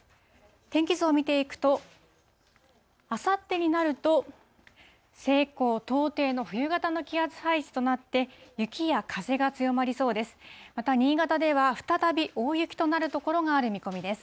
天気図を見ていくと、あさってになると、西高東低の冬型の気圧配置となって、雪や風が強まりそうです。